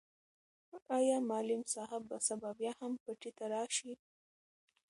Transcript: آیا معلم صاحب به سبا بیا هم پټي ته راشي؟